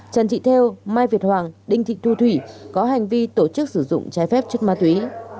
trần thị theo mai việt hoàng đinh thị thu thủy có hành vi tổ chức sử dụng trái phép chất ma túy